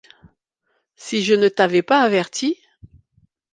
Si je ne t’avais pas averti !